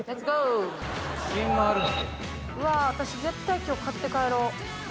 私絶対今日買って帰ろう何？